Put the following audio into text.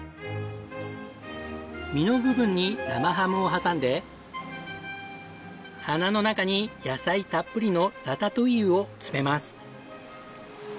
実の部分に生ハムを挟んで花の中に野菜たっぷりのラタトゥイユを詰めます。